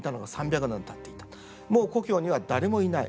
もう故郷には誰もいない。